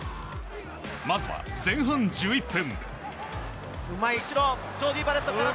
まずは、前半１１分。